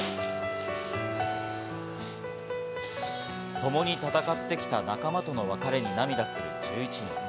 ともに戦ってきた仲間との別れに涙する１１人。